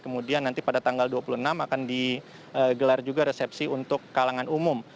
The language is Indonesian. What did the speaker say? kemudian nanti pada tanggal dua puluh enam akan digelar juga resepsi untuk kalangan umum